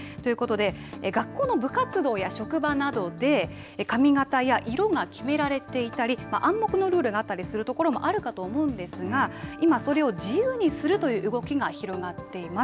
学校の部活動や職場などで髪形や色が決められていたり暗黙のルールがあったりするところもあるかと思うんですが今、それを自由にするという動きが広がっています。